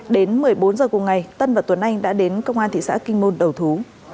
đến một mươi bốn h cùng ngày tân và tuấn anh đã đến công an thị xã kinh môn đầu thú